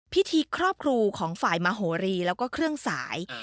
ครอบครูของฝ่ายมโหรีแล้วก็เครื่องสาย